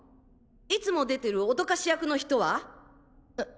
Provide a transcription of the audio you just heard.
いつも出てるおどかし役の人は？え？